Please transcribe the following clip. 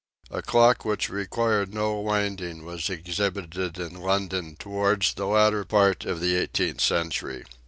A clock which required no winding was exhibited in London towards the latter part of the eighteenth century.